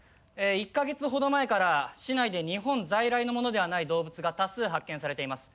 １カ月ほど前から市内で日本在来のものではない動物が多数発見されています。